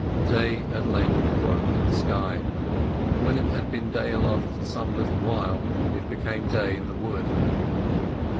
Day at length broke in the sky. When it had been day aloft for some little while it became day in the wood.